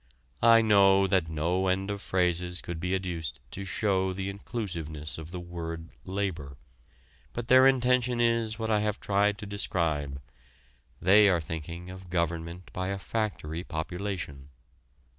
I know that no end of phrases could be adduced to show the inclusiveness of the word labor. But their intention is what I have tried to describe: they are thinking of government by a factory population.